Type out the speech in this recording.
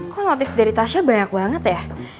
kok notif dari tasya banyak banget ya